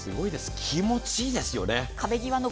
すごいです、気持ちいいですよね。